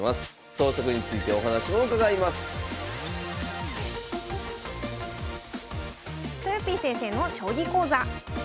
創作についてお話を伺いますとよぴー先生の将棋講座。